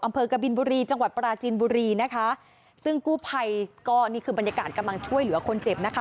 กบินบุรีจังหวัดปราจีนบุรีนะคะซึ่งกู้ภัยก็นี่คือบรรยากาศกำลังช่วยเหลือคนเจ็บนะคะ